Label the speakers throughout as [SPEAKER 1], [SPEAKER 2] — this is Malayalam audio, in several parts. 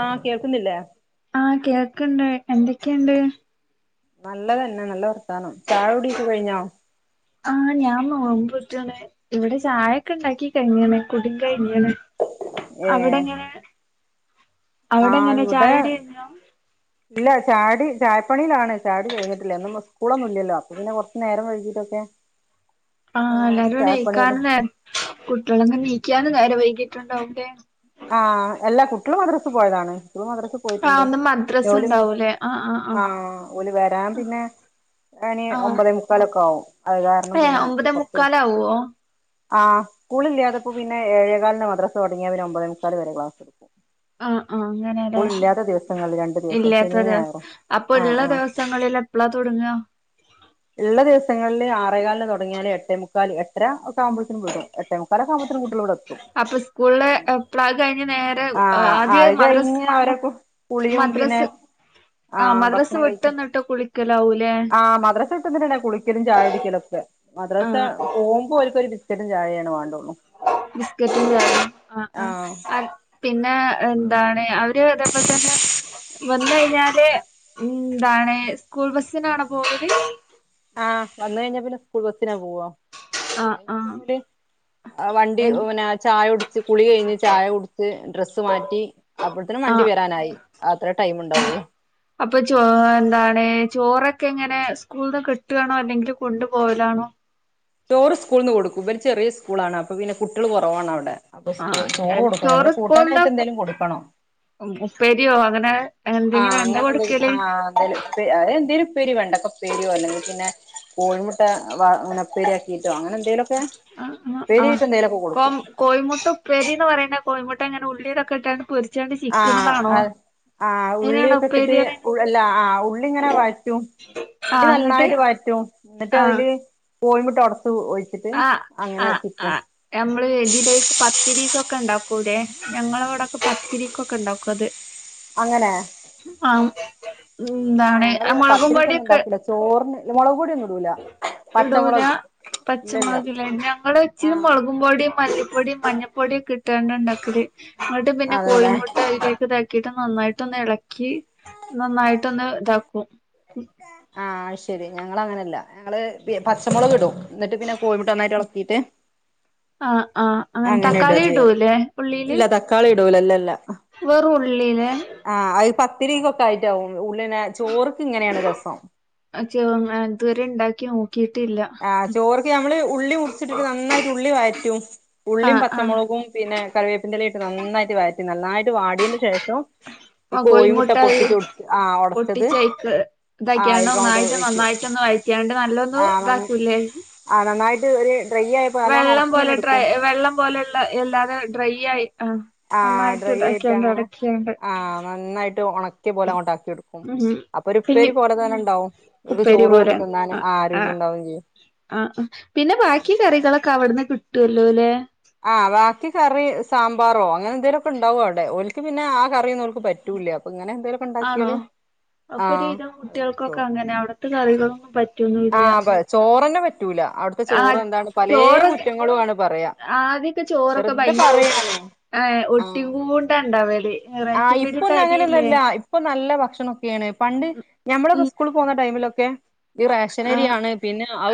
[SPEAKER 1] ആഹ് കേൾക്കുന്നില്ലേ
[SPEAKER 2] കേക്കണ്ട് എന്തൊക്കെയുണ്ട്
[SPEAKER 1] നല്ലതന്നെ നല്ല വർത്താനം ചായ കുടിയക്കെ കഴിഞ്ഞോ
[SPEAKER 2] ആഹ ഞാൻ നോകുമ്പോറ്റാണ് ഇവിടെ ചായയൊക്കെ ഇണ്ടാക്കി കഴിഞ്ഞാണ് കുട കഴഞ്ഞാണ്
[SPEAKER 1] ഏഹ്
[SPEAKER 2] അവിടെങ്ങനെ അവിടെ
[SPEAKER 1] ആഹ്
[SPEAKER 2] എങ്ങനെ
[SPEAKER 1] ഇവിടെ
[SPEAKER 2] ചായുടിനെയോ
[SPEAKER 1] ഇല്ല ചാടി ചായപ്പണിയിലാണ് ചായുടി കരിഞ്ഞട്ടില്ല ഇന്നു മൊ മുന്നില അപ്പോ പിന്ന കുറച്ച് നേരം കഴിഞ്ഞി ഓക്കെ
[SPEAKER 2] ആഹ് എല്ലാരും എണീ കാണും വേണം കുട്ടികളൊന്നും എനീ നീക്കാനും നേരെ വൈകിട്ടുണ്ട് അവന്റെ
[SPEAKER 1] ആഹ് എല്ലാ കുട്ടികളും മദ്രസ് പോയതാണ് ഇവള് മദ്രസേ
[SPEAKER 2] ആഹ്
[SPEAKER 1] പോയിട്ടുണ്ട്
[SPEAKER 2] ഇന്ന് മദ്രസ
[SPEAKER 1] ഓല്
[SPEAKER 2] ഉണ്ടാവൂലേ ആഹ് ആഹ്
[SPEAKER 1] ആ
[SPEAKER 2] ആഹ്
[SPEAKER 1] ഓല് വെരാൻ പിന്നെ ഇനി
[SPEAKER 2] ആഹ്
[SPEAKER 1] ഒമ്പതേമുക്കാലൊക്കെ ആകും അത് കാരണം
[SPEAKER 2] ഏഹ്
[SPEAKER 1] പിന്നെ
[SPEAKER 2] ഒമ്പതേ
[SPEAKER 1] കൊറത്ത്
[SPEAKER 2] മുക്കാലാവോ
[SPEAKER 1] ആ കൂളില്ലേ അതിപ്പോ പിന്നെ ഏഴേകാലിന് മദ്രസ തുടങ്ങിയ അവര് ഒമ്പതേമുക്കാൽ വരെ ക്ലാസ് എടുക്കും
[SPEAKER 2] ആ ആഹ് അങ്ങനെയല്ലേ
[SPEAKER 1] സ്കൂളില്ലാത്ത ദിവസങ്ങളിൽ രണ്ട് ദിവസം
[SPEAKER 2] ഇല്ലാത്ത
[SPEAKER 1] ശനിയും
[SPEAKER 2] ദിവസ
[SPEAKER 1] ഞായറും
[SPEAKER 2] അപ്പൊ
[SPEAKER 1] ആഹ്
[SPEAKER 2] ഉള്ള
[SPEAKER 1] ആഹ്
[SPEAKER 2] ദിവസങ്ങളിൽ എപ്പളാ തുടങ്ങാ
[SPEAKER 1] ആറെകാലിന് തുടങ്ങിയാല് എട്ടേ മുക്കാൽ എട്ടെരാ എട്ടു ആവുമ്പതേനും വിടും മുക്കാലൊക്കെ ആവുമ്പഴത്തിനും കുട്ടികള് ഇവിടെ എത്തും
[SPEAKER 2] അപ്പൊ സ്കൂള്
[SPEAKER 1] പിന്നെ
[SPEAKER 2] പ്ലാഗ് കഴിഞ്ഞ് നേരെ
[SPEAKER 1] ആഹ്
[SPEAKER 2] ആദ്യേ
[SPEAKER 1] അത്
[SPEAKER 2] മദ്രസ്
[SPEAKER 1] കഴിഞ്ഞ് അവരെ കുളിയും പിന്നെ
[SPEAKER 2] മദ്രസ് ആ
[SPEAKER 1] ആഹ്
[SPEAKER 2] മദ്രസ്
[SPEAKER 1] ഭക്ഷണം കഴിക്കും
[SPEAKER 2] വിട്ടന്നിട്ട് കുളിക്കലാവൂലെ
[SPEAKER 1] പിന്നെന്തിനാ കുളി കുളിക്കലും ചായ കുടിക്കലൊക്കെ മദ്രസ
[SPEAKER 2] ആഹ്
[SPEAKER 1] പോവുംമ്പോ ഓർക്ക് ഒരു ബിസ്ക്കറ്റും ചായയാണ് വേണ്ടുള്ളൂ
[SPEAKER 2] ബിസ്കറ്റ് ആ
[SPEAKER 1] ആഹ്
[SPEAKER 2] ആ പിന്നാ അതാണ് അത് അതപ്പതന്നെ വന്ന് കരിഞ്ഞാ ത്തെ ഉം എന്താണ് സ്കൂൾ ബസ്സിനാണ പോകല്
[SPEAKER 1] ആഹ് വന്ന് കഴിഞ്ഞാ പിന്നെ സ്കൂൾ ബസ്സിനാ പോവോ വന്ന്
[SPEAKER 2] ആഹ്
[SPEAKER 1] കഴിഞ്ഞ
[SPEAKER 2] ആഹ്
[SPEAKER 1] പിന്നോര് വണ്ടി
[SPEAKER 2] എ
[SPEAKER 1] പിന്നെ ചായ ഉടിച്ച് കുളി കഴിഞ്ഞ് ചായ കുടിച്ച് ഡ്രസ്സ് മാറ്റി അപ്പഴ്ത്തേനും വണ്ടി
[SPEAKER 2] ആഹ്
[SPEAKER 1] വരാനായി അത്രേ ടൈം ഉ ഓ
[SPEAKER 2] അപ്പൊ ചോ എന്താണ് ചോറൊക്കെ എങ്ങനെ സ്കൂൾന്ന് കിട്ടുവാണോ അല്ലെങ്കിൽ കൊണ്ടു പോവലാണോ
[SPEAKER 1] ചോറ് സ്കൂൾന്ന് കൊടുക്കും ഇവര് ചെറിയ സ്കൂൾ ആണ് അപ്പൊ പിന്നെ കുട്ടികള് കുറവാണവിടെ അപ്പൊ ചോറ്
[SPEAKER 2] ആഹ്
[SPEAKER 1] കൊടുക്കും ഞങ്ങൾ
[SPEAKER 2] സ്കൂൾന്ന്
[SPEAKER 1] കൂട്ടാനായിട്ട് എന്തേലും കൊടുക്കണം
[SPEAKER 2] ഉപ്പേരിയോ അങ്ങനെ
[SPEAKER 1] ആഹ്
[SPEAKER 2] എന്തെങ്കിലും എന്താ
[SPEAKER 1] അങ്ങനെ എന്തും
[SPEAKER 2] കൊടുക്കല്
[SPEAKER 1] ആ എന്തേലും ആ എന്തേലും പ്പേരി വെണ്ടേ കപ്പെരിപോലെ അല്ലെങ്കി പിന്നെ കോഴിമുട്ട അങ്ങനെ ഉപ്പേരി ആക്കിട്ടോ അങ്ങനെ എന്തേലൊക്കെ
[SPEAKER 2] ആ ആ ആ
[SPEAKER 1] ഉപ്പേരിയായിട്ട് എന്തേലൊക്കെ
[SPEAKER 2] കോ
[SPEAKER 1] കൊടുക്കും
[SPEAKER 2] കോഴിമുട്ട ഉപ്പേരീന്ന് പറയുന്ന കോഴിമു ട്ട എങ്ങനെ ഉള്ളിയതൊക്കെട്ടാണ്
[SPEAKER 1] ആഹ് ആഹ്
[SPEAKER 2] അയിനാണോ ഉപ്പേരി
[SPEAKER 1] ഉള്ളിക്കിട്ടിട്ട്
[SPEAKER 2] പറയണെ
[SPEAKER 1] അല്ല ആ ഉള്ളി ഇങ്ങന വരറ്റും ഉള്ളി
[SPEAKER 2] ആഹ് അങ്ങട്ട്
[SPEAKER 1] നന്നായിട്ട് വരറ്റും എന്നിട്ട്
[SPEAKER 2] ആഹ്
[SPEAKER 1] അതില് കോയിമുട്ട
[SPEAKER 2] ആഹ് ആ ആ നമ്മള് ഇതിലേക്ക് പത്തിരിക്കൊക്കെ ഇണ്ടാ ക്കുലേ. ഞങ്ങള ഇവടൊക്കെ പത്തിരിക്കൊക്കെ ഇണ്ടാക്കും അത്.
[SPEAKER 1] അങ്ങനെ.
[SPEAKER 2] ആഹ്
[SPEAKER 1] ആ
[SPEAKER 2] എന്താണ്
[SPEAKER 1] ഞങ്ങള് പിന്നെ
[SPEAKER 2] മുളകും
[SPEAKER 1] പത്തിരിക്കൊന്നും
[SPEAKER 2] പൊടിയൊക്കെ
[SPEAKER 1] ഉണ്ടാക്കൂല. ചോറിന് മുളക് പൊടിയൊന്നും ഇടൂല. പച്ചമുളക് ഇല്ലല്ല
[SPEAKER 2] പച്ചമുളക് ലേ. ഞങ്ങൾ ച്ച്
[SPEAKER 1] ആഹ്
[SPEAKER 2] മുളകും പൊടിം മല്ലിപ്പൊടിം മഞ്ഞ പൊട്യൊക്കെ ഇട്ടാണ്ടാ ഇണ്ടാക്കല്. ഇങ്ങട്ട് പിന്നെ
[SPEAKER 1] അതെല്ലേ
[SPEAKER 2] കോഴിമുട്ട അയിലേക്ക് ത ക്കിട്ട് നന്നായിട്ടൊന്ന് എളക്കി നന്നായിട്ടൊന്ന് ഇതാക്കും.
[SPEAKER 1] ആ അഹ്ശരി. ഞങ്ങള് അങ്ങനെല്ല. ഞങ്ങള് പി പച്ചമുളക് ടും. എന്ന്ട്ട് പിന്നെ കോഴിമുട്ട നന്നായിട്ട് എളകീട്ട്
[SPEAKER 2] ആഹ് ആഹ്
[SPEAKER 1] അങ്ങനെ ഇടാ
[SPEAKER 2] തക്കാളി
[SPEAKER 1] ചെയ്യത്
[SPEAKER 2] ഇടൂല്ലേ
[SPEAKER 1] ഇല്ല തക്കാളി [unintelligible]
[SPEAKER 2] വെറു ഉള്ളിലെ
[SPEAKER 1] ത്തിരികൊക്കെ ആയ്ട്ടാവും ഉള്ളിനെ ചോർക്ക് ഇങ്ങനെയാണ് രസം
[SPEAKER 2] [unintelligible] ഇത് വരെ ഇണ്ടാക്കി നോ
[SPEAKER 1] ആ ചോറ്ക്ക് നമ്മള് ഉള്ളി മുർച്ചിട്ടിട്ട് നന്നായ്ട്ട് ഉള്ളി വഴറ്റും ഉള്ളിയും,
[SPEAKER 2] ആഹ് ആഹ്
[SPEAKER 1] പച്ചമുളകും, പിന്നെ കറിവേപ്പിന്റെലിം നന്നായിട്ട് വയറ്റും നന്നായിട്ട് വാടെന്റെ ശേഷം ഈ
[SPEAKER 2] ആ
[SPEAKER 1] കോഴിമുട്ട
[SPEAKER 2] കോൽമുട്ടായി
[SPEAKER 1] പൊട്ടിച്ചൊടിച്ച് ആഹ് ഒടച്ചത്
[SPEAKER 2] പൊട്ടിച്ചയ്ക്ക്
[SPEAKER 1] ആഹ്
[SPEAKER 2] ഇതക്യാൻഡ്
[SPEAKER 1] അയിൽക്കങ്ങോട്ട്
[SPEAKER 2] ഒന്നായിട്ട്
[SPEAKER 1] ഒഴിക്കും
[SPEAKER 2] നന്നായിട്ടൊന്ന് വഴറ്റാൻഡ് നല്ലൊന്ന്
[SPEAKER 1] ആഹ്
[SPEAKER 2] ഇത
[SPEAKER 1] നന്ന്
[SPEAKER 2] പുലെ
[SPEAKER 1] ആഹ് നന്നായിട്ട് ഒരു ഡ്രൈ ആയപ്പോ നല്ലോണം
[SPEAKER 2] വെള്ളം പോലെ
[SPEAKER 1] ഒണക്കിങ്ങനെ
[SPEAKER 2] ഡ്രൈ
[SPEAKER 1] എടുക്കും
[SPEAKER 2] വെള്ളം പോലുള്ള എല്ലാതെ ഡ്രൈ ആയി അ നന്നാഴിട്ട് ഇതാക്യാൻഡ് അടക്കിയണ്ട്
[SPEAKER 1] ആ നന്നായിട്ട് ഒണ
[SPEAKER 2] ഉം പിന്നെ
[SPEAKER 1] ഉപ്പേരി പോലെ തന്നെ ഇണ്ടാവും ഓൽക്ക്
[SPEAKER 2] ഉപ്പേരി
[SPEAKER 1] ചോറ് കൂട്ടി
[SPEAKER 2] പോലെ
[SPEAKER 1] തിന്നാന് ആഹ്
[SPEAKER 2] അ അ
[SPEAKER 1] രുചി ഇണ്ടാവും ചെയ്യും
[SPEAKER 2] അ പിന്നെ ബാക്കി കറികളൊക്കെ അവിട്ന്ന് കി ട്ടല്ലോ ലെ
[SPEAKER 1] ആ ബാക്കി കറി സ് സാമ്പാറോ അങ്ങനെ എന്തെലും ഒക്കെ ഇണ്ടാവും അവിടെ ഓൽക്ക് പിന്നെ ആ കറിയോന്നും
[SPEAKER 2] ആണോ
[SPEAKER 1] ആഹ്
[SPEAKER 2] അപ്പൊരുവിധം
[SPEAKER 1] അത്
[SPEAKER 2] കുട്ടികൾക്കൊക്കെ
[SPEAKER 1] കഴിച്ചോളും
[SPEAKER 2] അങ്ങനെ അവിടത്തെ കറികളൊന്നും പറ്റ്
[SPEAKER 1] ആഹ് അപ്പ ചോറ്ന്നെ പറ്റ്
[SPEAKER 2] ആ ചോറ്
[SPEAKER 1] കുറ്റങ്ങളു ആണ് പറയാ
[SPEAKER 2] ആദ്യൊക്കെ ചോറൊക്കെ
[SPEAKER 1] വെറുതെ
[SPEAKER 2] ഭയങ്കര
[SPEAKER 1] പറയാണ്
[SPEAKER 2] എഹ് ഒട്ടി
[SPEAKER 1] ആഹ്
[SPEAKER 2] കൊണ്ടാ ഇണ്ടാവല്
[SPEAKER 1] ആഹ് ഇപ്പൊന്നും അങ്ങനെയൊന്നുംല്ല ഇപ്പൊ നല്ല ഭക്ഷണൊക്കെയാണ് പണ്ട് ഞമ്മളൊക്കെ
[SPEAKER 2] ഉം
[SPEAKER 1] സ്കൂൾ പോന്ന ടൈമിലൊക്ക് ക്കെ
[SPEAKER 2] ആ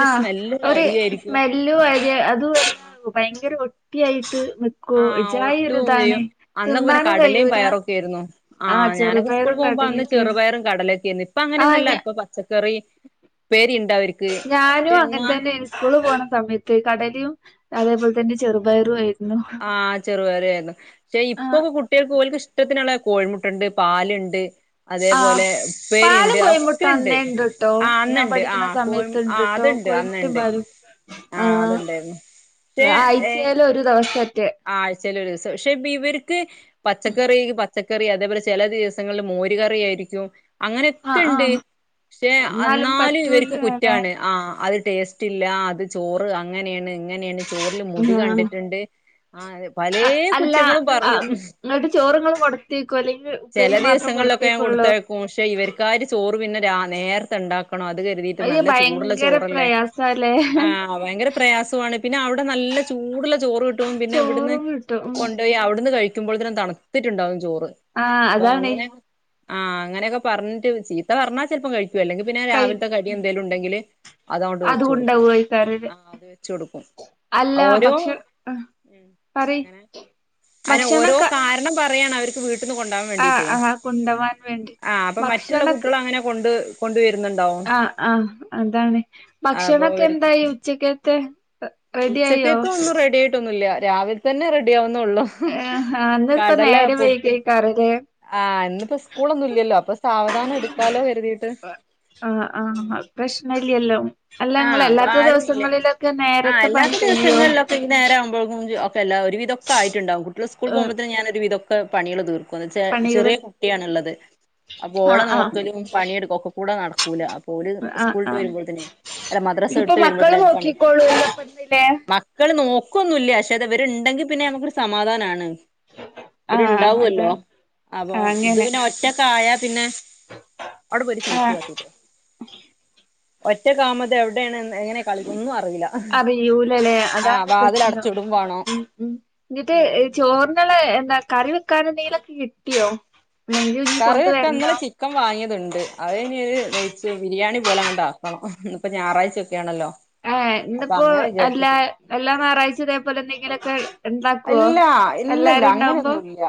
[SPEAKER 2] ആ
[SPEAKER 1] സ്മെല്ലുള്ള
[SPEAKER 2] ഒര്
[SPEAKER 1] അരിയായിരിക്കും
[SPEAKER 2] സ്മെല്ലും അരി അതും
[SPEAKER 1] ആ
[SPEAKER 2] അല്ല ഭയങ്കര ഒട്ടിയായി
[SPEAKER 1] ആഹ് ഒട്ടും ചെയ്യും അന്നൊക്കെ പിന്നെ
[SPEAKER 2] തിന്നാനും
[SPEAKER 1] കടലയും
[SPEAKER 2] കഴിയൂല
[SPEAKER 1] പയറൊക്കെ ആയിരുന്നു ആ
[SPEAKER 2] ആഹ്
[SPEAKER 1] ഞാനൊക്കെ സ്കൂൾ
[SPEAKER 2] ചെറുപയറും
[SPEAKER 1] പോകുമ്പോ അന്ന്
[SPEAKER 2] കടലൊക്കെ
[SPEAKER 1] ചെറുപയറും കടലൊക്കെ ആരുന്നു ഇപ്പൊ
[SPEAKER 2] ആഹ്
[SPEAKER 1] അങ്ങനെയൊന്നല്ല
[SPEAKER 2] ഞ
[SPEAKER 1] ഇപ്പൊ പച്ചക്കറി ഉപ്പേരി ഉണ്ട് അവർക്ക്
[SPEAKER 2] ഞാനും
[SPEAKER 1] പക്ഷെ
[SPEAKER 2] അങ്ങനെ
[SPEAKER 1] എന്നാൽ
[SPEAKER 2] തന്നെയാള് സ്കൂള് പോണ സമയത്ത് കടലയും അതേപോലെ തന്നെ ചെറുപയറും അ
[SPEAKER 1] ആ ചെറു [unintelligible] [unintelligible] ക്ഷേ
[SPEAKER 2] ആഹ്
[SPEAKER 1] ഇപ്പൊക്കെ കുട്ടികൾക്ക് ഓല്ക്ക്‌ ഇഷ് ഷ്ട്ടത്തിനുള്ള കോഴി മുട്ട ഇണ്ട്, പാലിണ്ട്.
[SPEAKER 2] ആ പാലും കോയിമുട്ട അണ്ണ
[SPEAKER 1] ഉണ്ട്
[SPEAKER 2] ഇണ്ട്ട്ടോ,
[SPEAKER 1] ആഹ്
[SPEAKER 2] ഞാൻ
[SPEAKER 1] അന്നുണ്ട്
[SPEAKER 2] പഠിക്കുന്ന
[SPEAKER 1] ആഹ് കോഴി
[SPEAKER 2] സമയത്ത്
[SPEAKER 1] ആഹ്
[SPEAKER 2] ഇണ്ട്ട്ടോ
[SPEAKER 1] അതുണ്ട്
[SPEAKER 2] കോഴിമുട്ടയും
[SPEAKER 1] അന്നുണ്ട്
[SPEAKER 2] പാലും ആ
[SPEAKER 1] ആഹ് അതുണ്ടായിരുന്നു
[SPEAKER 2] ആഴ്ചയെല് ഒരു ദെവസ
[SPEAKER 1] ആഴ് ചെല ഒരു ദിവസം ക്ഷേ ബി ഇവര്ക്ക് പച്ചക്കറി എങ്കി പ പച്ചക്കറി അതേപോലെ ചെല ദിവസങ്ങളിൽ മോര് കറി ആയിരിക്കും. അങ്ങനെയൊക്കെ
[SPEAKER 2] ആഹ്
[SPEAKER 1] ഇണ്ട്
[SPEAKER 2] ആഹ്
[SPEAKER 1] ക്ഷേ
[SPEAKER 2] എന്നാലും
[SPEAKER 1] അന്നാലും ഇവര്ക്ക്
[SPEAKER 2] പറ്റൂലല്ലേ
[SPEAKER 1] കുറ്റാണ് ആ അൽ ടേസ്റ്റ് ഇല്ല അത് ചോറ് അങ്ങനെയാണ് ഇങ് അങ്ങനെയാണ് ചോറില് മുടി
[SPEAKER 2] ആഹ്
[SPEAKER 1] കണ്ടിട്ടിണ്ട് ആ അതെ പലേ
[SPEAKER 2] അല്ല
[SPEAKER 1] കുറ്റങ്ങളും പറയും,
[SPEAKER 2] ആഹ് ഇങ്ങട്ട് ചോറ്ങ്ങൾ കൊടുത്തേക്കോ അല്ലെങ്കിൽ ഉപ്പേരി
[SPEAKER 1] ചെല
[SPEAKER 2] മാത്രം
[SPEAKER 1] ദിവസങ്ങളിലൊക്കെ ഞാൻ
[SPEAKER 2] കൊടുത്തേക്കൊള്ളൂ
[SPEAKER 1] കൊടുത്തേക്കും പക്ഷേ ഇവര്ക്കാര് ചോറ് പിന്നെ രാ നേരത്തെ ഇണ്ടാക് ക്കണം അത് കരുതിട്ട്
[SPEAKER 2] അത്
[SPEAKER 1] നല്ല ചൂടുള്ള
[SPEAKER 2] ഭയങ്കര
[SPEAKER 1] ചോറല്ലേ
[SPEAKER 2] പ്രയാസാല്ലേ
[SPEAKER 1] ആ ഭയങ്കര പ്രയാസോണ് പിന്നെ അവിടെ നല്ല ചൂടുള്ള ചോറ് കിട്ടും. ന്നെ ഇവിടുന്ന്
[SPEAKER 2] ചോറും കിട്ടും
[SPEAKER 1] കൊ
[SPEAKER 2] ഉം
[SPEAKER 1] കൊണ്ടോയി അവ്ട് ട്ന്ന് കഴിക്കുമ്പഴത്തേനും തണുത്തിട്ടിണ്ടാവും ചോ
[SPEAKER 2] ആ അതാണെ
[SPEAKER 1] ആ അങ്ങനെയൊക്കെ പറഞ്ഞിട്ട് ചീത്ത പറഞ്ഞാ ചെലപ്പം കഴി ക്കും അല്ലെങ്കിൽ പിന്നെ
[SPEAKER 2] കൈ
[SPEAKER 1] രാവില്ത്തെ കടി എന്തേലും ഉണ്ടെങ്കില് അതങ്ങോട്ട് വെച്ച്
[SPEAKER 2] അതും
[SPEAKER 1] കൊടുക്കും,
[SPEAKER 2] ഉണ്ടാവോയ്ക്കാരല്ലേ
[SPEAKER 1] ആ അത് വെച്ച് കൊടുക്കും
[SPEAKER 2] അല്ല
[SPEAKER 1] ആ ഓരോ
[SPEAKER 2] ഭക്ഷ ആഹ് പറയ്
[SPEAKER 1] അയ്ന് ഓരോ
[SPEAKER 2] ഭക്ഷണൊക്കെ
[SPEAKER 1] കാരണം പറ [unintelligible] യാണ് അവര്ക്ക് വീട് ട്ട്ന്ന് കൊണ്ടാവാൻ
[SPEAKER 2] ആഹ്
[SPEAKER 1] വേണ്ടിട്ടെ
[SPEAKER 2] ആഹ് കൊണ്ടവാൻ വേണ്ടി
[SPEAKER 1] ആ അപ്പം മറ്റുള്ള കുട്ടികള് അങ്ങനെ കൊണ്ട് കൊണ്ടുവ
[SPEAKER 2] ആ ആ അതാണ്
[SPEAKER 1] അപ്പൊ
[SPEAKER 2] ഭക്ഷണൊക്കെ
[SPEAKER 1] അവര്
[SPEAKER 2] എന്തായി ഉച്ചക്കത്തെ റെഡി ആയോ?
[SPEAKER 1] ല്ല രാവിലെ തന്നെ റെഡി ആവു വുന്നൊള്ളു,
[SPEAKER 2] ഏഹ് അന്ന് ഇപ്പ
[SPEAKER 1] കടല
[SPEAKER 2] നേരം
[SPEAKER 1] പുട്ടിന്
[SPEAKER 2] വൈകിയേക്കാരല്ലേ
[SPEAKER 1] ആ ഇന്നിപ്പോ സ്കൂളൊന്നും ഇല്ലല്ലോ അപ്പ സാവധാനം എടുക്കാലോ കരുതിട്ട്
[SPEAKER 2] ആഹ് ആഹ് അത് പ്രശ്നല്ലല്ലോ അല്ല
[SPEAKER 1] ആ
[SPEAKER 2] ഇങ്ങള്
[SPEAKER 1] അപ്പ
[SPEAKER 2] അല്ലാത്ത
[SPEAKER 1] ആരുല്ല
[SPEAKER 2] ദിവസങ്ങളിലൊക്കെ
[SPEAKER 1] ആ
[SPEAKER 2] നേരത്തെ പണി
[SPEAKER 1] അല്ലാത്ത
[SPEAKER 2] കഴിയോ
[SPEAKER 1] ദിവസങ്ങളിലൊക്കെ ഈ നേരാവുമ്പോഴേക്കും ജോ [unintelligible] എല്ലാം ഒരു വിധം ഒക്കെ ആയിട്ടുണ്ടാവും കു ട്ടികള് സ്കൂൾ
[SPEAKER 2] ഏഹ്
[SPEAKER 1] പോവുമ്പത്തേനും ഞാൻ ഒരു വിധം ക്കെ പണികള് തീർക്കും എന്നോച്ചാ.
[SPEAKER 2] പണികള്
[SPEAKER 1] ചെറിയ കുട്ട്യാണുള്ളത്. അപ്പൊ ഓളെ
[SPEAKER 2] ആഹ് ആഹ്
[SPEAKER 1] നോക്കലും പണിയെടുക്കലും ഒക്കെകൂടെ നടക്കു ക്കൂല. ഓല്
[SPEAKER 2] ആഹ്
[SPEAKER 1] സ്കൂള്ട്ട്
[SPEAKER 2] ആഹ്
[SPEAKER 1] വരുമ്പോഴുത്തേനെ
[SPEAKER 2] ഇതിപ്പോ മക്കള് നോക്കിക്കോളൂപ്പഴത്തിലേ
[SPEAKER 1] മക്കള് നോക്കൊന്നുല്ല. പക്ഷെ ഇത് ഇവരുണ്ടെങ്കിൽപിന്നെ നമുക്കൊരു സമാധാനാണ് ഇവര്
[SPEAKER 2] ആഹ്
[SPEAKER 1] ഇണ്ടാവും
[SPEAKER 2] അതെ
[SPEAKER 1] അല്ലോ. അപ്പൊ
[SPEAKER 2] ആഹ്
[SPEAKER 1] ഇത്
[SPEAKER 2] അങ്ങനെ
[SPEAKER 1] പിന്നെ ഒറ്റക്കായാ പിന്നെ അവിടെ പോയി ഷീറ്റ്
[SPEAKER 2] ആഹ്
[SPEAKER 1] കാട്ട്യരോ ഉച്ചൊക്കെയാവുമ്പ എവിടെയാണ് എങ്ങനെ കളി ഒന്നും അറിയില്ല.
[SPEAKER 2] അറിയൂലല്ലേ
[SPEAKER 1] ആ
[SPEAKER 2] അതാണ്
[SPEAKER 1] വാതില്
[SPEAKER 2] പ്രശ്നം
[SPEAKER 1] അടച്ച് ഇടും വേണം
[SPEAKER 2] ഉം ഉം എന്നിട്ട് ചോറിനുള്ള എന്താ കറി വെക്കാൻ എന്തെങ്കിലൊക്കെ കിട്ടിയോ? അല്ലെങ്കി ഇനി കൊണ്ട്
[SPEAKER 1] കറിയൊക്കെ
[SPEAKER 2] വരണോ
[SPEAKER 1] ഇന്നലെ ചിക്കൻ വാങ്ങിയതുണ്ട് അത് കഴിഞ്ഞിത് നെയ്‌ച്ചോ ബിരിയാണി പോലെ അങ്ങടാക്കണം. ഇന്നിപ്പ ഞായറാഴ്ച
[SPEAKER 2] ആ ഏ ഇന്നിപ്പോ എല്ലാ
[SPEAKER 1] വിചാരിച്ചിട്ടുണ്ട്
[SPEAKER 2] എല്ലാം ഞായറാഴ്ച ഇതേപോലെ എന്തെങ്കിലൊക്കെ ഇണ്ടാക്കുവോ
[SPEAKER 1] ഇല്ല ഇല്ലില്ല
[SPEAKER 2] എല്ലാരും ഇണ്ടാവുമ്പോ
[SPEAKER 1] അങ്ങനെയൊന്നും ഇല്ല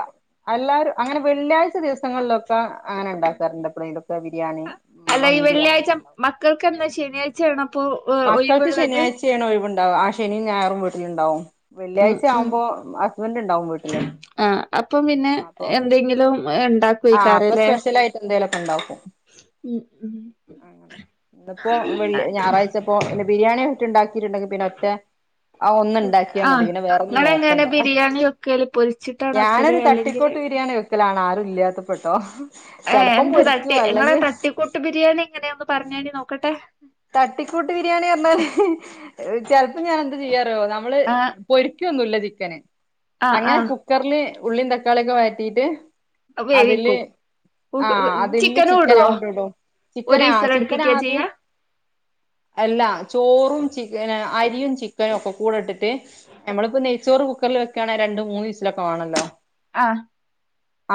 [SPEAKER 1] എല്ലാരും അങ്ങനെ വെള്ളിയാഴ്ച ദിവസങ്ങളിലൊക്കെ അങ്ങനെ ഉണ്ടാക്കാറുണ്ട്. ഇപ്പോഴെങ്കിലൊക്കെ അങ്ങനെ ബിരിയാണി
[SPEAKER 2] അല്ല ഈ
[SPEAKER 1] മന്തി
[SPEAKER 2] വെള്ളിയാഴ്ച
[SPEAKER 1] അങ്ങനെയൊക്കെ ഉണ്ടാവും
[SPEAKER 2] മക്കൾക്ക് എന്താ ശനിയാഴ്ചയാണോ
[SPEAKER 1] മക്കൾക്ക് ശനിയാഴ്ച്ചയാണ് ഒഴിവുണ്ട് ആ ശനിയും ഞായറും വീട്ടിലുണ്ടാവും
[SPEAKER 2] ഉം
[SPEAKER 1] വെള്ളിയാഴ്ച
[SPEAKER 2] ഉം
[SPEAKER 1] ആവുമ്പോ ഹസ്ബൻഡ് ഉണ്ടാവും വീട്ടില്
[SPEAKER 2] ആ അപ്പം പിന്നെ
[SPEAKER 1] അപ്പൊ
[SPEAKER 2] എന്തെങ്കിലും ഇ ണ്ടാക്കൊയക്കാരല്ലേ
[SPEAKER 1] എന്തേലുയൊക്കെയിണ്ടാവും ന്ന്പ്പോ വെള്ളി ഞായറാഴ്ച്ചപ്പോ ഇങ്ങനെ ബിരിയാണി ഇണ്ടാക്കി ഇണ്ടാക്കിണ്ട് ഒറ്റ ആ ഒന്ന് ഉണ്ടാക്കിയാൽ മതി
[SPEAKER 2] ആഹ്
[SPEAKER 1] പിന്നെ വേറൊന്നും
[SPEAKER 2] നിങ്ങളെങ്ങനെ
[SPEAKER 1] നോക്കണ്ട
[SPEAKER 2] ബിരിയാണി വെക്കല് പൊരിച്ചിട്ടാണോ വെക്കല്
[SPEAKER 1] ഞാനൊരു തട്ടിക്കോട്ട് ബിരിയാണി വെക്കലാണ് ആരുമില്ലാത്തപ്പോ.
[SPEAKER 2] ഏ എന്ത് തട്ടി ഇങ്ങളെ
[SPEAKER 1] അല്ലെങ്കിൽ
[SPEAKER 2] തട്ടിക്കൂട്ട് ബിരിയാണി എങ്ങനെയൊന്ന് പറഞ്ഞിത്താണി നോക്കട്ടെ ട്ടെ
[SPEAKER 1] തട്ടിക്കൂട്ട് ബിരിയാണി റഞ്ഞാല് ചിലപ്പോ ഞാൻ എന്ത് ചെയ്യാറിയോ നമ്മള്
[SPEAKER 2] ആഹ്
[SPEAKER 1] പൊരിക്കുവൊന്നുയില്ല [unintelligible]
[SPEAKER 2] ആഹ്
[SPEAKER 1] അങ്ങനെ
[SPEAKER 2] ആഹ്
[SPEAKER 1] കുക്കറില് ഉള്ളിയും തക്കാളിയൊക്കെ വയറ്റിയിട്ട് അതില്
[SPEAKER 2] വേവിക്കും
[SPEAKER 1] ആഹ് അതില്
[SPEAKER 2] ചിക്കനും
[SPEAKER 1] ചിക്കന
[SPEAKER 2] ഇടുവോ
[SPEAKER 1] അങ്ങോട്ട് വിടും
[SPEAKER 2] ഒരു
[SPEAKER 1] ചിക്കന ആ ചിക്കനാ
[SPEAKER 2] വിസലടുപ്പിക്കാ
[SPEAKER 1] ആദ്യം
[SPEAKER 2] ചെയ്യാ
[SPEAKER 1] അല്ല ചോറും ചിക്കനും അരിയും ചിക്കനും ഒക്കെ കൂടെ ഇട്ടിട്ട് നമ്മളിപ്പോ നെയ്ച്ചോറ് കുക്കറിൽ വെക്കാനെങ്കിൽ രണ്ടോ മൂന്ന് വിസിലൊക്കേവെണല്ലോ
[SPEAKER 2] ആ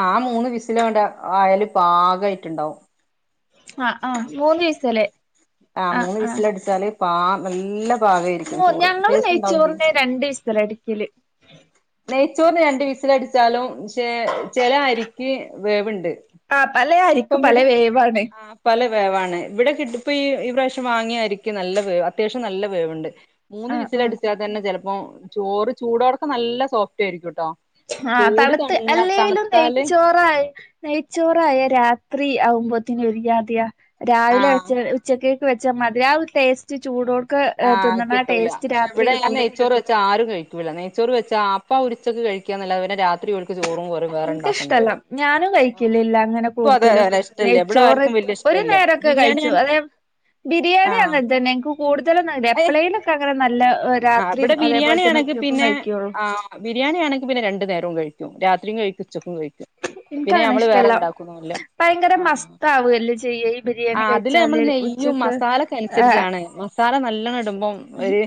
[SPEAKER 1] ആ മൂന്ന് വിസിലോണ്ട് ആയല് പാകമായിട്ടുണ്ടാവും
[SPEAKER 2] ആ ആ മൂന്ന് വിസിൽ
[SPEAKER 1] ആ മൂന്ന് വിസിൽ അടിച്ചാല് പാകം നാളെ പാകം
[SPEAKER 2] ഞങ്ങൾ നെയ്ച്ചോറിന രണ്ട് വിസിൽയടിക്കും വിസിൽ
[SPEAKER 1] നെയ്ച്ചോറിന് രണ്ട് വിസൽ അടിച്ചാലും ചില അരിക്ക് വേവിണ്ട്
[SPEAKER 2] ആഹ് പലേ അരിക്ക് പല
[SPEAKER 1] ഇപ്പമിവിടെ
[SPEAKER 2] വേവാണ്
[SPEAKER 1] ആ പല വേവാണ് ഇവിടെക്കെ ഇട്ട് ഇപ്പൊ ഈ പ്രാവശ്യം വാങ്ങിയായിരിക്കും നല്ല വേവ് അത്യാവശ്യം നല്ല വേവുണ്ട് മൂന്ന്
[SPEAKER 2] ആഹ്
[SPEAKER 1] വിസില
[SPEAKER 2] ആഹ്
[SPEAKER 1] അടിച്ചാൽ തന്നെ ചെലപ്പോ അപ്പ ചോറ് ചൂടോടെക്കെ നല്ല സോഫ്റ്റ് ആയിരിക്കുംട്ടോ
[SPEAKER 2] ആ
[SPEAKER 1] ചൂട്
[SPEAKER 2] തണുത്ത്
[SPEAKER 1] തണിഞ്ഞ
[SPEAKER 2] അല്ലെലും
[SPEAKER 1] തണുത്താല്
[SPEAKER 2] നെയ്ച്ചോറായ രാത്രി രാത്രി ആവുമ്പോത്തെനും ഒരു ജാതിയ
[SPEAKER 1] ആ
[SPEAKER 2] രാവിലെ ഉച്ചവരെ ഉച്ചക്ക് വെച്ചാൽ മതിരി ആ ഒരു ടേസ്റ്റ് ചൂടോടെ
[SPEAKER 1] ആഹ് കിട്ടൂല പക്ഷെ ഇവിടെ ഞാൻ
[SPEAKER 2] കിട്ടൂലേ
[SPEAKER 1] നെയ്ച്ചോറ് വെച്ചാ ആരും കഴിക്കൂില്ല നെയ്ച്ചോറ് വെച്ചാ മുട്ട പൊരിച്ചത് കഴിക്കുക എന്നല്ലാതെ രാത്രി ഓൽക്ക് ചോറും കറിം വേറെ ഉണ്ടാക്കേണ്ടി
[SPEAKER 2] എനക്ക്ിഷ്ടല്ല
[SPEAKER 1] വരും
[SPEAKER 2] ഞാനും
[SPEAKER 1] ആ
[SPEAKER 2] കഴിക്കില്ല ഇല്ല അങ്ങനെ
[SPEAKER 1] ഇപ്പൊ അത്
[SPEAKER 2] കൂടുതലും
[SPEAKER 1] ഇഷ്ടല്ല ഇവിടെ
[SPEAKER 2] നെയ്ച്ചോറ്
[SPEAKER 1] ആർക്കും വല്യ
[SPEAKER 2] ഒരു
[SPEAKER 1] ഇഷ്ടല്ല
[SPEAKER 2] നേരമൊക്കെ കഴിച്ചു
[SPEAKER 1] ബിരിയാണിയാണ്
[SPEAKER 2] അതെ ബിരിയാണി അങ്ങനെ
[SPEAKER 1] ആ
[SPEAKER 2] തന്നെ എനിക്ക് കൂടുത എപ്പാളെലും നല്ല
[SPEAKER 1] ആ
[SPEAKER 2] രാത്രിയും
[SPEAKER 1] ഇവിടെ
[SPEAKER 2] അതേപോലെ
[SPEAKER 1] ബിരിയാണി
[SPEAKER 2] തന്നെ
[SPEAKER 1] ആണെങ്കി
[SPEAKER 2] ഉച്ചക്കും
[SPEAKER 1] പിന്നെ
[SPEAKER 2] കഴിക്കുള്ളൂ
[SPEAKER 1] ആ ബിരിയാണി ആണെങ്കി പിന്നെ രണ്ടു നേരവും കഴിും രാത്രിയും കഴിക്ക ഉച്ചക്കുംഴിക്കും പിന്നെ
[SPEAKER 2] എനിക്കങ്ങനെ
[SPEAKER 1] നമ്മള് വേറെ
[SPEAKER 2] ഇഷ്ടല്ല
[SPEAKER 1] ഉണ്ടാക്കുന്നല്ല
[SPEAKER 2] ഭയങ്കര
[SPEAKER 1] ആ
[SPEAKER 2] മസ്താവല്ലേ ചെയ്യ ഈ ബിരിയാണി
[SPEAKER 1] അതില് നമ്മള്
[SPEAKER 2] കഴിച്ചാല്
[SPEAKER 1] നെയ്യും
[SPEAKER 2] ഉച്ചക്ക്
[SPEAKER 1] മസാല ഒക്കെ
[SPEAKER 2] ഏഹ്
[SPEAKER 1] അനുസരിച്ചാണ് മസാല നല്ലണ്ണം ഇടുമ്പം ഒരു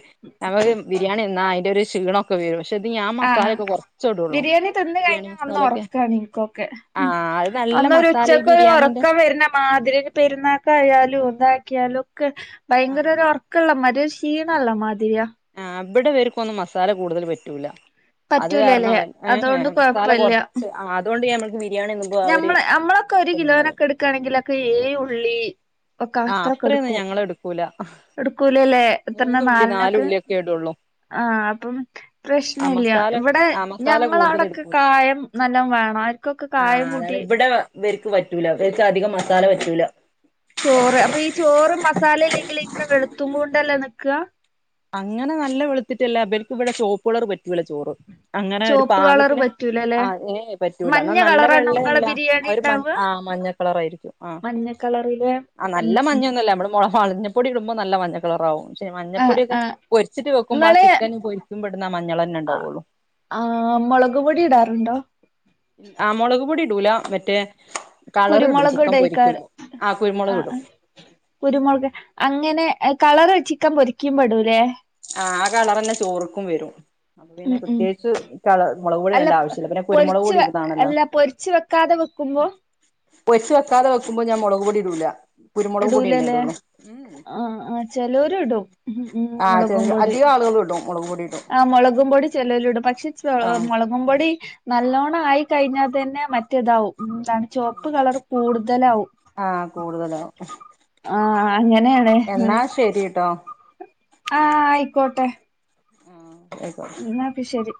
[SPEAKER 1] നമുക്ക് ബിരിയാണിന്നാ അതിൻന്റെ ഒരു ക്ഷീണൊക്കെ വരും പക്ഷെ ഇത് ഞാൻ
[SPEAKER 2] ആഹ
[SPEAKER 1] മസാലയൊക്കെ കുറച്ചേ ഇടുള്ളൂ
[SPEAKER 2] ബിരിയാണി തിന്ന്
[SPEAKER 1] ബിരിയാണി
[SPEAKER 2] കഴിഞ്ഞാ അന്ന്
[SPEAKER 1] മസാലൊക്കെ
[SPEAKER 2] ഉറക്കാണ് നിനിക്കൊക്കെ
[SPEAKER 1] ആ അത്
[SPEAKER 2] അ
[SPEAKER 1] നല്ല
[SPEAKER 2] ന്നരു
[SPEAKER 1] മസാല ഈ
[SPEAKER 2] ഉച്ചക്ക്
[SPEAKER 1] ബിരിയാണിന്റെ
[SPEAKER 2] ഉറക്കം വരുന്ന മാതിരി പെരുന്നക്ക ആയാലും എന്ത ക അൽോ [unintelligible]
[SPEAKER 1] ആ
[SPEAKER 2] ഭയങ്കര ഉർക്കള്ള മതി ക്ഷീണ അല്ല മാതിരിയ
[SPEAKER 1] അവിടെവർക്കും ഒന്നും മസാല കൂടുതൽ പറ്റൂല അത് കാരണം
[SPEAKER 2] പറ്റൂലല്ലേ
[SPEAKER 1] അവൻ ഏ
[SPEAKER 2] അതോണ്ട്
[SPEAKER 1] മസാല
[SPEAKER 2] കൊഴപ്പല്ല
[SPEAKER 1] കുറച്ച് അതുകൊണ്ട് ഞൻ
[SPEAKER 2] ഞമ്മള് നമ്മളൊക്കെ ഒരു
[SPEAKER 1] ഉണ്ടാവൂല
[SPEAKER 2] കിലോനൊക്കെ എടുക്കയാണെങ്കിലൊക്കെ ഏയ് ഉള്ളി ഒക്കെ
[SPEAKER 1] ആ
[SPEAKER 2] അത്രൊക്കെ
[SPEAKER 1] അത്രയൊന്നും
[SPEAKER 2] എടുക്കൂ
[SPEAKER 1] ഞങ്ങൾ എടുക്കൂല
[SPEAKER 2] എടുക്കൂലല്ലേ എത്രണ്ണാ
[SPEAKER 1] മൂന്നുള്ളി
[SPEAKER 2] നാലെണ്ണൊക്കെ
[SPEAKER 1] നാലുള്ളിയൊക്കെ ഇടുള്ളൂ
[SPEAKER 2] ആഹ് അപ്പം
[SPEAKER 1] ആ
[SPEAKER 2] പ്രശ്നയില്ല
[SPEAKER 1] മസാല
[SPEAKER 2] ഇവിടെ
[SPEAKER 1] ആ മസാല
[SPEAKER 2] ഞങ്ങളെ
[SPEAKER 1] കൂടുതൽ
[SPEAKER 2] അവിടക്കെ
[SPEAKER 1] എടുക്കൂല
[SPEAKER 2] കായം നല്ല വേണം ആരിക്കൊക്കെ കായം കൂട്ടി
[SPEAKER 1] ഇവര്ക്ക് പറ്റൂല ഇവർക്ക് അധികം മസാല പറ്റൂല
[SPEAKER 2] ചോറ് അപ്പൊ ഈ ചോറും മസാല ഇല്ലെങ്കിൽ ഇങ്ങനെ വെളുത്തും കൊണ്ട് ത്തല്ലേ നിക്കാ
[SPEAKER 1] അങ്ങനെ നല്ല വെള്ത്തിട്ടല്ല ഇവരിക്ക് ഇവിടെ ചോപ്പളറ് പറ്റ് കുള ചോറ് അങ്ങനെ ഒരു
[SPEAKER 2] ചോപ്പ് കളർ
[SPEAKER 1] പാകത്തിന്
[SPEAKER 2] പറ്റൂലല്ലേ
[SPEAKER 1] ആ ഏഹ് പറ്റൂല ന്നാ
[SPEAKER 2] മഞ്ഞ
[SPEAKER 1] നല്ല
[SPEAKER 2] കളറാണ് നിങ്ങളെ
[SPEAKER 1] വെള്ളല്ല ആ
[SPEAKER 2] ബിരിയാണി
[SPEAKER 1] ഒരു
[SPEAKER 2] ഉണ്ടാവുക
[SPEAKER 1] ആ മഞ്ഞക്കളറായിരിക്കും ആ
[SPEAKER 2] മഞ്ഞ കളറില്
[SPEAKER 1] ആ
[SPEAKER 2] ഉം
[SPEAKER 1] നല്ല
[SPEAKER 2] ഉം
[SPEAKER 1] മഞ്ഞൊന്നൊല്ല നമ്മടെ മുള മള്ഞ്ഞപ്പൊടിടുമ്പോ നല്ല മഞ്ഞ കളറാവും ശെ
[SPEAKER 2] ആ
[SPEAKER 1] പൊടിയൊക്കെ
[SPEAKER 2] ആ
[SPEAKER 1] പൊരിച്ചിട്ട് വെക്കുമ്പ ആ
[SPEAKER 2] നിങ്ങള്
[SPEAKER 1] ചിക്കൻ പോയി കുമ്പട്
[SPEAKER 2] ആ ആ മുളക്പൊടി ഇടാറുണ്ടോ
[SPEAKER 1] ആ മുളക് പൊടി ഇടൂല മറ്റേ കളർ ഇടും
[SPEAKER 2] കുരുമുളക്
[SPEAKER 1] ചിക്കൻ
[SPEAKER 2] ഇടയ്ക്കാര്
[SPEAKER 1] പൊരിക്കുമ്പോ കുരുമുളക്
[SPEAKER 2] ആ
[SPEAKER 1] ഇടും
[SPEAKER 2] കുരുമുളക് അങ്ങനെ കളറ് ചിക്കൻ പൊരികുമ്പടൂലേ
[SPEAKER 1] ആ ആ കളറന്നെ ചോറുക്കും വരും അപ്പ പിന്നെ
[SPEAKER 2] ഉം ഉം
[SPEAKER 1] പ്രത്യേകിച്ച് കള മൊളക് പൊടി
[SPEAKER 2] അല്ല
[SPEAKER 1] ഇടേണ്ട
[SPEAKER 2] പൊ-
[SPEAKER 1] ആവശ്യല്ല പിന്നെ കുരുമുളക്
[SPEAKER 2] പൊരിച്ച്
[SPEAKER 1] പൊടി
[SPEAKER 2] വെ-
[SPEAKER 1] ഇട്താണല്ലോ
[SPEAKER 2] അല്ല പൊരിച്ച് വെക്കാതെ വെക്കുമ്പോ
[SPEAKER 1] ഒയ്ച്ച് വെക്കാതെ വെക്കുമ്പോ ഞാൻ മൊളക് പൊടി ഇടൂല കുരുമുളക് പൊടിയന്നെ
[SPEAKER 2] ഇടൂലലേ
[SPEAKER 1] ഇടുള്ളൂ
[SPEAKER 2] ആ ആ ചെലോര്ടും ഉം
[SPEAKER 1] ആ ചെറിയ അധികം ആള്കള്ടും
[SPEAKER 2] ആഹ മൊളകും പൊടി ചെലോലിടും പച്
[SPEAKER 1] ആ
[SPEAKER 2] [unintelligible] മൊളകുംമ്പൊടി നല്ലോണം ആയി കഴിഞ്ഞാ തന്നെ മറ്റേതാവും എന്താണ് ചുവപ്പ് കളർ കൂടുതലാവും
[SPEAKER 1] ആ കൂടുതലാ.
[SPEAKER 2] ആ അങ്ങനെയാണ്. ആ ആയിക്കോട്ടെ.
[SPEAKER 1] ആ ആയിക്കോട്ടെ
[SPEAKER 2] എന്ന്നാ പി ശെരി.